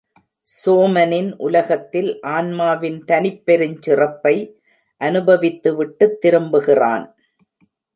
சோமனின் உலகத்தில் ஆன்மாவின் தனிப்பெருஞ் சிறப்பை அனுபவித்துவிட்டுத் திரும்புகிறான்.